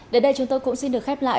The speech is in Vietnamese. đến đây chúng tôi cũng xin được khép lại